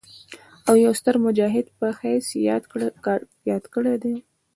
او يو ستر مجاهد پۀ حييث ياد کړي دي